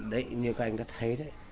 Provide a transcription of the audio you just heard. đấy như các anh đã thấy đấy